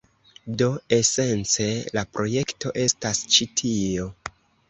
Do esence la projekto estas ĉi tio.